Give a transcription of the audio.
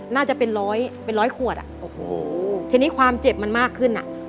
น่าจะเป็นร้อยเป็นร้อยขวดอ่ะโอ้โหทีนี้ความเจ็บมันมากขึ้นอ่ะ